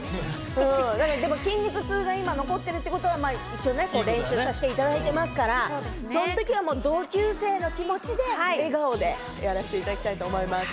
でも筋肉痛が今残ってるってことは、練習させていただいていますから、その時に同級生の気持ちで笑顔でやらせていただきたいと思います。